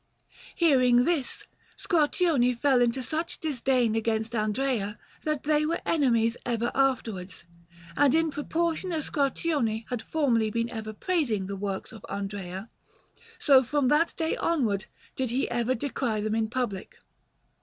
Hearing this, Squarcione fell into such disdain against Andrea that they were enemies ever afterwards; and in proportion as Squarcione had formerly been ever praising the works of Andrea, so from that day onward did he ever decry them in public.